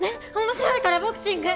面白いからボクシング！